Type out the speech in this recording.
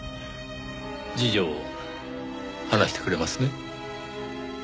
事情を話してくれますね？